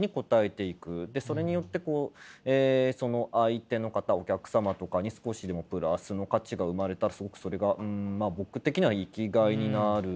でそれによってこう相手の方お客様とかに少しでもプラスの価値が生まれたらすごくそれがうんまあ僕的には生きがいになるので。